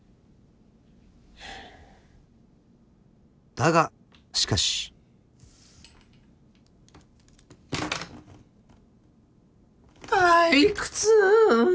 ［だがしかし］退屈！